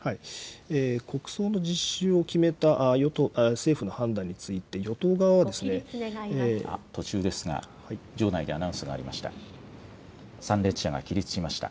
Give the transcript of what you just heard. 国葬の実施を決めた政府の判断について、途中ですが、場内でアナウンスがありました。